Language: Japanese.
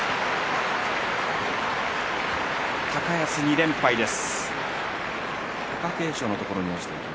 高安、２連敗です。